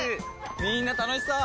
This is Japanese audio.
みんな楽しそう！